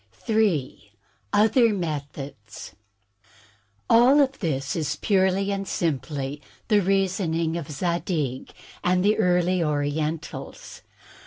*' J. Other Methods All of this is purely and simply the reasoning of Zadig and the early Orientals.